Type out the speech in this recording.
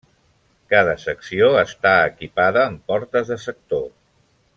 Cada secció està equipada amb portes de sector.